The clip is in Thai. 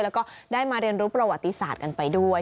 แล้วก็ได้มาเรียนรู้ประวัติศาสตร์กันไปด้วย